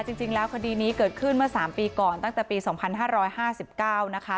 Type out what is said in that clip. จริงแล้วคดีนี้เกิดขึ้นเมื่อ๓ปีก่อนตั้งแต่ปี๒๕๕๙นะคะ